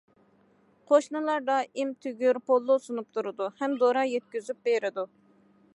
قوشنىلار دائىم تۈگۈر، پولۇ سۇنۇپ تۇرىدۇ ھەم دورا يەتكۈزۈپ بېرىدۇ.